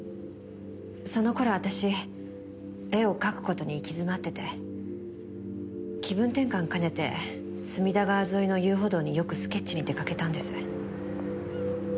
その頃私絵を描く事に行き詰まってて気分転換兼ねて隅田川沿いの遊歩道によくスケッチに出かけたんです。